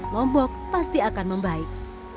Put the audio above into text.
lombok pasti akan membaik